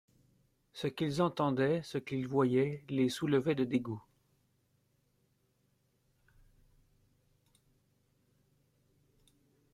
Ce qu'ils entendaient, ce qu'ils voyaient les soulevait de dégoût.